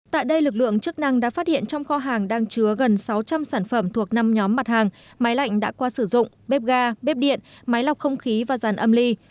tại đây lực lượng chức năng đã phát hiện trong kho hàng đang chứa gần sáu trăm linh sản phẩm thuộc năm nhóm mặt hàng máy lạnh đã qua sử dụng bếp ga bếp điện máy lọc không khí và giàn âm ly